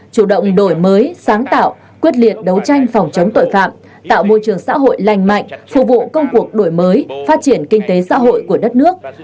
chủ động đổi mới sáng tạo quyết liệt đấu tranh phòng chống tội phạm tạo môi trường xã hội lành mạnh phục vụ công cuộc đổi mới phát triển kinh tế xã hội của đất nước